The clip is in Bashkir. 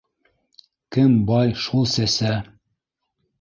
Кем бай, шул сәсә.